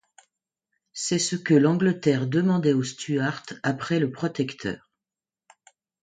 C'est ce que l'Angleterre demandait aux Stuarts après le protecteur.